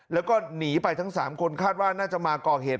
แล้วก็หนีไปทั้ง๓คนคาดว่าน่าจะมาก่อเหตุ